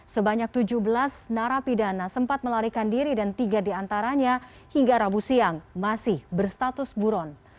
sebanyak tujuh belas narapidana sempat melarikan diri dan tiga diantaranya hingga rabu siang masih berstatus buron